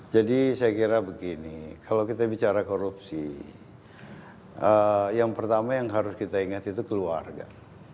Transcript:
jadi saya kira begini kalau kita bicara korupsi yang pertama yang harus kita ingat itu keluarga